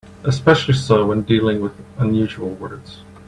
Especially so when dealing with unusual words.